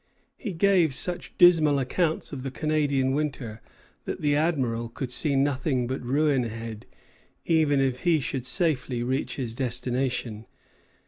He gave such dismal accounts of the Canadian winter that the Admiral could see nothing but ruin ahead, even if he should safely reach his destination.